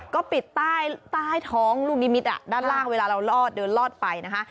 ก็ปิดใต้ท้องลูกนิมิตด้านล่างเวลาเรารอดเดินลอดไปนะคะ